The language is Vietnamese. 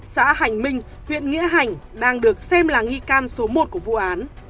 xã hành minh huyện nghĩa hành đang được xem là nghi can số một của vụ án